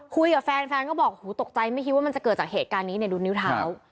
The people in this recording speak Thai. คุยกับแฟนแฟนก็บอกหูตกใจไม่คิดว่ามันจะเกิดจากเหตุการณ์นี้เนี่ยดูนิ้วเท้า